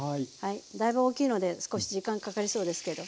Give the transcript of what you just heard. だいぶ大きいので少し時間かかりそうですけど。